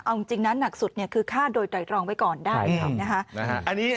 เอาจริงนะหนักสุดเนี่ยคือฆ่าโดยไตรรองไว้ก่อนได้นะคะ